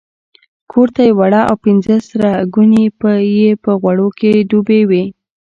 کورته یې وړه او پنځه سره ګوني یې په غوړو کې ډوبې وې.